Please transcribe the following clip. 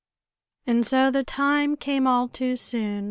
And so the time came all too soon!